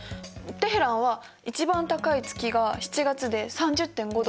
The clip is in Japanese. テヘランは一番高い月が７月で３０．５度。